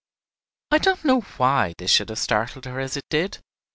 I don't know why this should have startled her as it did.